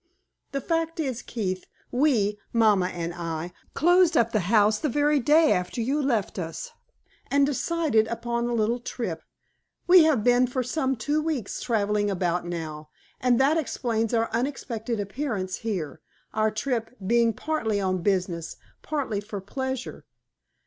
The fact is, Keith, we mamma and I closed up the house the very day after you left us, and decided upon a little trip. We have been for some two weeks traveling about now and that explains our unexpected appearance here, our trip being partly on business, partly for pleasure.